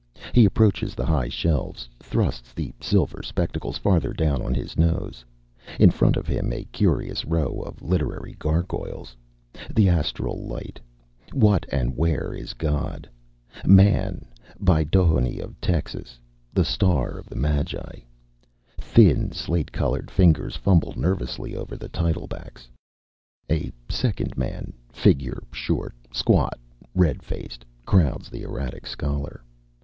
He approaches the high shelves, thrusts the silver spectacles farther down on his nose. In front of him a curious row of literary gargoyles "The Astral Light," "What and Where Is God?", "Man" by Dohony of Texas, "The Star of the Magi." Thin slate colored fingers fumble nervously over the title backs. A second man, figure short, squat, red faced, crowds the erratic scholar.